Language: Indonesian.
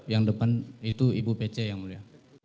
yang depan itu ibu pc yang mulia